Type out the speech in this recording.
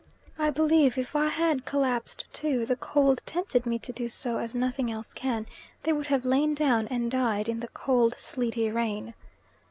I believe if I had collapsed too the cold tempted me to do so as nothing else can they would have lain down and died in the cold sleety rain.